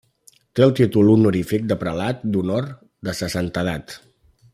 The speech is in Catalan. Té el títol honorífic de Prelat d'Honor de Sa Santedat.